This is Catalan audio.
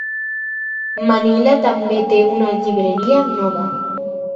Manila també té una llibreria nova.